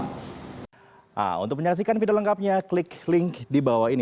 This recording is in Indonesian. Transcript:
nah untuk menyaksikan video lengkapnya klik link di bawah ini